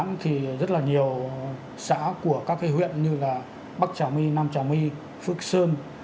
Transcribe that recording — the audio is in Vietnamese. quảng nam thì rất là nhiều xã của các cái huyện như là bắc trào my nam trào my phước sơn